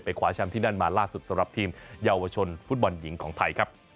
คว้าแชมป์ที่นั่นมาล่าสุดสำหรับทีมเยาวชนฟุตบอลหญิงของไทยครับ